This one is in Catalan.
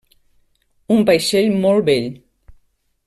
Un vaixell molt vell.